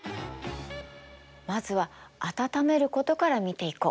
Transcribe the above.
まずは暖めることから見ていこう。